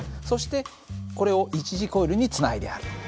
そしてこれを一次コイルにつないである。